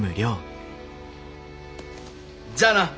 じゃあな。